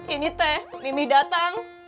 ini teh mimi datang